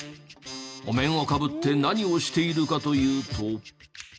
お面をかぶって何をしているかというと。